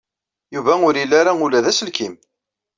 Yuba ur ili ara ula d aselkim.